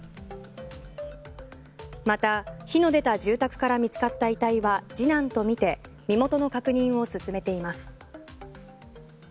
また、火の出た住宅から見つかった遺体は次男とみて身元の確認を進めています。